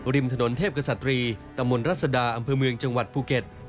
ริมถนนเทพกษัตรีตำบลรัศดาอำเภอเมืองจังหวัดภูเก็ต